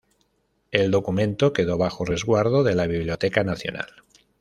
El documento quedó bajo resguardo de la Biblioteca Nacional.